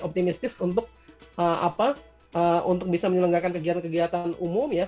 optimistis untuk bisa menyelenggakan kegiatan kegiatan umum ya